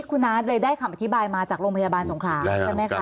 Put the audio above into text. คุณอาร์ตเลยได้คำอธิบายมาจากโรงพยาบาลสงขลาใช่ไหมคะ